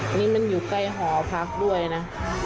อันนี้มันอยู่ใกล้หอพักด้วยนะ